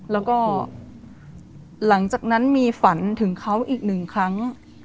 แล้วก็หลังจากนั้นมีฝันถึงเขาอีกหนึ่งครั้ง